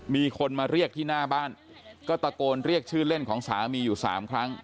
มีคนมาเรียกที่หน้าบ้านก็ตะโกนเรียกชื่อเล่นของสามีอยู่๓ครั้ง